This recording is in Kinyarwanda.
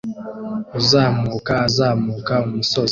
Uzamuka azamuka umusozi